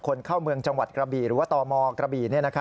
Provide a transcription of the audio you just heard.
คนเข้าเมืองจังหวัดกระบี่หรือว่าตมกระบี่